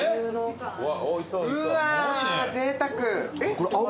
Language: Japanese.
うわぜいたく。